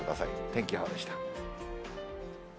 天気予報でした。